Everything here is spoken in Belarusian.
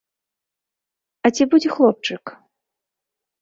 А ці будзе хлопчык?